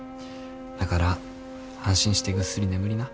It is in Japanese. だから安心してぐっすり眠りな。